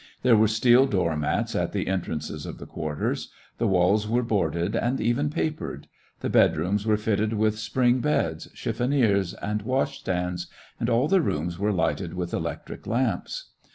There were steel door mats at the entrances of the quarters. The walls were boarded and even papered. The bedrooms were fitted with spring beds, chiffoniers, and wash stands, and all the rooms were lighted with electric lamps.